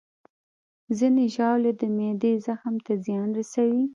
ځینې ژاولې د معدې زخم ته زیان رسوي.